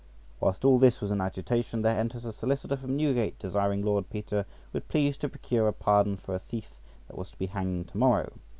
Whilst all this was in agitation, there enters a solicitor from Newgate, desiring Lord Peter would please to procure a pardon for a thief that was to be hanged to morrow.